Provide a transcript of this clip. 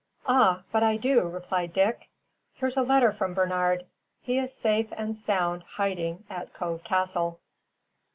"Ah, but I do," replied Dick. "Here's a letter from Bernard. He is safe and sound hiding at Cove Castle."